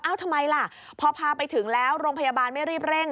ทำไมล่ะพอพาไปถึงแล้วโรงพยาบาลไม่รีบเร่ง